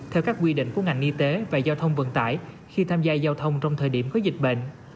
theo các quy định của ngành y tế và giao thông vận tải khi tham gia giao thông trong thời điểm có dịch bệnh